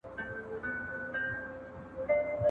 د خوبونو په لیدلو نه رسیږو ..